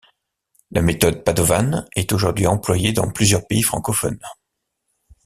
La méthode Padovan est aujourd'hui employée dans plusieurs pays francophones.